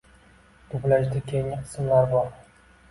Dublyajda keyingi qismlar bor.